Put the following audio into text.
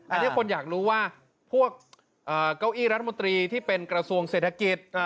อันนี้คนอยากรู้ว่าพวกเก้าอี้รัฐมนตรีที่เป็นกระทรวงเศรษฐกิจ